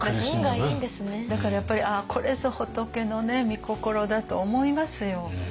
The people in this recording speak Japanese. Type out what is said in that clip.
だからやっぱりこれぞ仏のね御心だと思いますよ。